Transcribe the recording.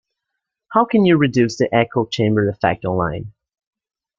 How can you reduce the echo chamber effect online?